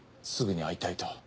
すぐに会いたいと。